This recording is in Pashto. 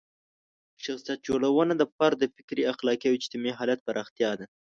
شخصیت جوړونه د فرد د فکري، اخلاقي او اجتماعي حالت پراختیا ده.